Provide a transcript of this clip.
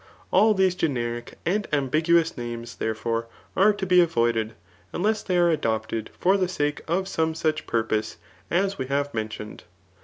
All these generic and ambiguous names, therefore, are to be avoid ed, unless they are adopted for the sake of some such purpose, as we have ihentioned.